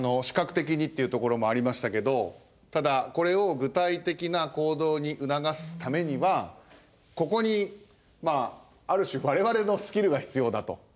視覚的にっていうところもありましたけどただこれを具体的な行動に促すためにはここにまあある種我々のスキルが必要だと。